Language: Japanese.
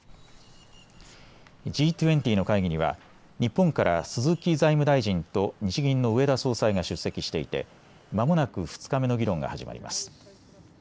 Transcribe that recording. Ｇ２０の会議には日本から鈴木財務大臣と日銀の植田総裁が出席していて、まもなく２日目の議論が始まります。